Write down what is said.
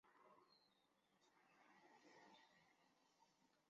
这些设备出厂时的平台优化可减少数据流量使用。